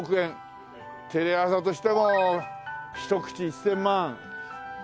テレ朝としても一口１０００万。